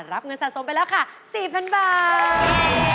รับเงินสะสมไปแล้วค่ะ๔๐๐๐บาท